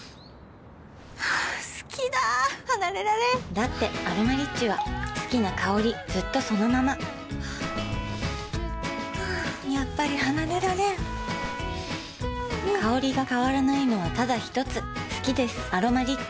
好きだ離れられんだって「アロマリッチ」は好きな香りずっとそのままやっぱり離れられん香りが変わらないのはただひとつ好きです「アロマリッチ」